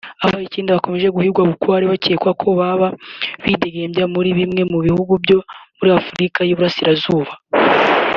Aba icyenda bakomeje guhigwa bukware biracyekwa ko baba bidegembya muri bimwe mu bihugu byo muri Afurika y’Uburasirazuba